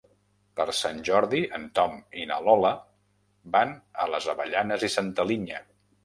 Per Sant Jordi en Tom i na Lola van a les Avellanes i Santa Linya.